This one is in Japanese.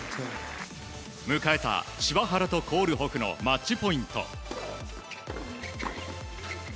迎えた柴原とコールホフのマッチポイント。